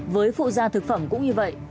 với phụ gia thực phẩm cũng như vậy